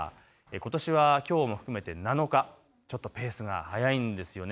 ことしはきょうも含めて７日、ちょっとペースが速いんですよね。